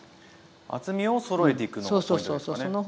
厚みをそろえていくのがポイントですよね。